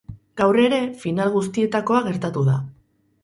Gaur ere final guztietakoa gertatu da.